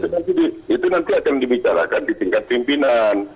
nanti itu nanti akan dibicarakan di tingkat pimpinan